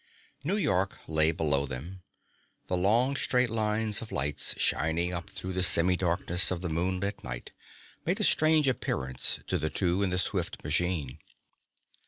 New York lay below them. The long, straight lines of lights shining up through the semidarkness of the moonlit night made a strange appearance to the two in the swift machine.